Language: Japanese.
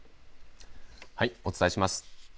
お伝えします。